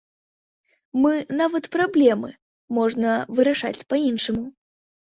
Мы нават праблемы можна вырашаць па-іншаму.